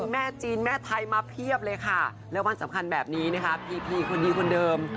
แม่จีนแม่ไทยมาเพียบเลยค่ะแล้ววันสำคัญแบบนี้นะคะพีพีคนดีคนเดิม